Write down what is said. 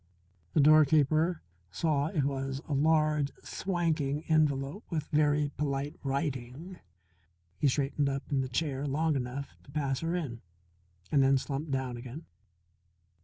The doorkeeper saw it was a large, swanking envelope with very polite writing. He straightened up in the chair long enough to pass her in, and then slumped down again.